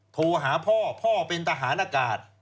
โทรหาพ่อพ่อเป็นทหารอากาศ